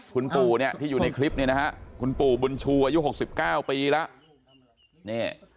คุณปู่เนี่ยที่อยู่ในคลิปเนี่ยนะฮะคุณปู่บุญชูอายุ๖๙ปีแล้ว